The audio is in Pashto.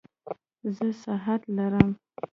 زه ساعت لرم